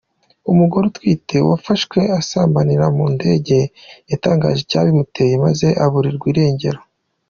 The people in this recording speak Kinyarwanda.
Umugore utwite wafashwe asambanira mu ndege yatangaje icyabimuteye maze aburirwa n’irengero.